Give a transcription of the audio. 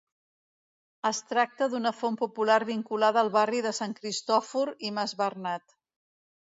Es tracta d'una font popular vinculada al barri de Sant Cristòfor i mas Bernat.